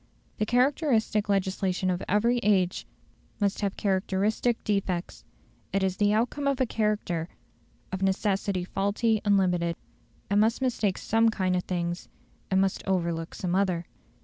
The characteristic legislation of every age must have characteristic defects; it is the outcome of a character, of necessity faulty and limited. It must mistake some kind of things; it must overlook some other.